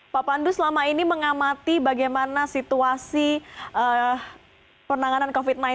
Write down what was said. pak pandu selama ini mengamati bagaimana situasi penanganan covid sembilan belas